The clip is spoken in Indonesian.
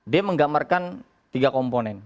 dia menggambarkan tiga komponen